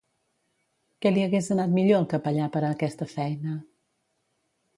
Què li hagués anat millor al capellà per a aquesta feina?